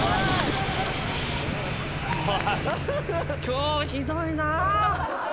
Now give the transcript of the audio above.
今日ひどいな。